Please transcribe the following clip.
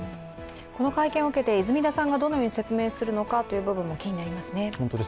この会見を受けて泉田さんがどのように説明するのかも気になりますね。